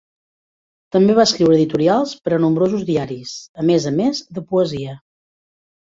També va escriure editorials per a nombrosos diaris, a més a més de poesia.